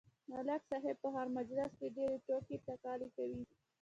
ملک صاحب په هر مجلس کې ډېرې ټوقې ټکالې کوي.